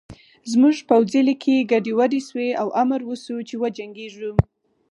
زموږ پوځي لیکې ګډې وډې شوې او امر وشو چې وجنګېږو